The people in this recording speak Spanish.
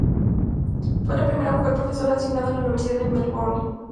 Fue la primera mujer profesora designada en la Universidad de Melbourne.